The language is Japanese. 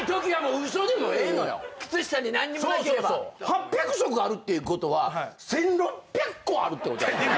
８００足あるっていうことは１，６００個あるってこと。